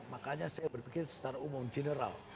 makanya saya berpikir secara umum general